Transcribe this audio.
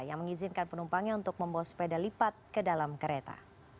yang mengizinkan penumpangnya untuk membawa sepeda lipat ke dalam kereta